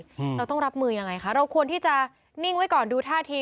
เราต้องรับมือยังไงคะเราควรที่จะนิ่งไว้ก่อนดูท่าที